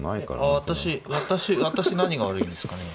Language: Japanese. あ私私私何が悪いんですかね。